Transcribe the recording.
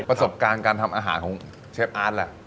ประสบการณ์การทำอาหารของเชฟอาร์ตแหละ